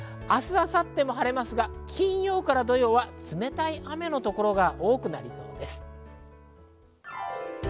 明日、明後日も晴れますが、金曜から土曜は冷たい雨の所が多くなりそうです。